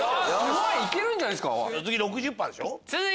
行けるんじゃないですか？